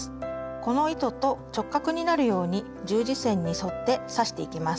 この糸と直角になるように十字線に沿って刺していきます。